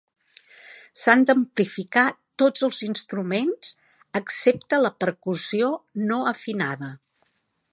S'han d'amplificar tots els instruments, excepte la percussió no afinada.